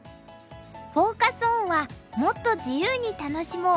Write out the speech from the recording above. フォーカス・オンは「もっと自由に楽しもう！